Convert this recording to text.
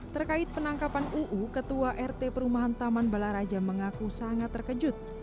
terkait penangkapan uu ketua rt perumahan taman balaraja mengaku sangat terkejut